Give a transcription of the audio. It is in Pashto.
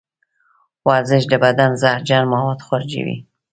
ورزش د بدن زهرجن مواد خارجوي.